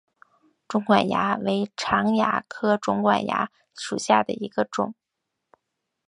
肿管蚜为常蚜科肿管蚜属下的一个种。